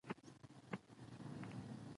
د غلو د موندلو لپاره وینې بهېږي.